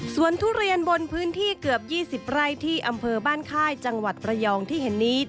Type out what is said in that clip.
ส่วนทุเรียนบนพื้นที่เกือบ๒๐ไร่ที่อำเภอบ้านค่ายจังหวัดระยองที่เห็นนี้